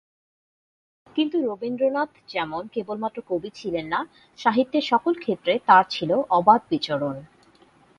কিন্তু রবীন্দ্রনাথ যেমন কেবল মাত্র কবি ছিলেন না, সাহিত্যের সকল ক্ষেত্রে তার ছিলো অবাধ বিচরণ।